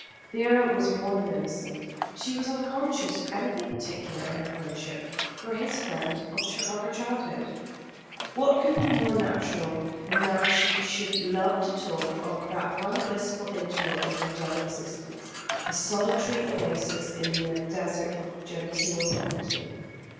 Vera was more than innocent. She was unconscious of anything particular in her friendship for this friend of her childhood. What could be more natural than that she should love to talk of that one blissful interval in her dull existence the solitary oasis in the desert of genteel poverty?